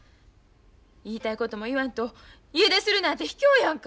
言いたいことも言わんと家出するなんてひきょうやんか！